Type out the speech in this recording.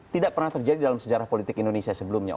tidak pernah terjadi dalam sejarah politik indonesia sebelumnya